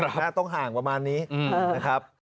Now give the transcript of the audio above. หน้าต้องห่างประมาณนี้นะครับ